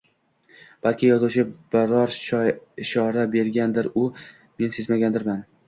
Balki yozuvchi biror ishora bergandir-u, men sezmagandirman